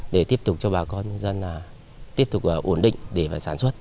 để tiếp tục cho bà con dân là tiếp tục là ổn định để mà sản xuất